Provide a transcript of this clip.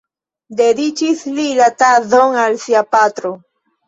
Dediĉis li la tezon al sia patro.